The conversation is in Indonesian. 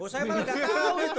oh saya ingin tahu itu